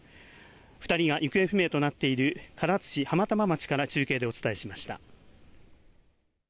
２人が行方不明となっている唐津市浜玉町から中継でお伝えしました。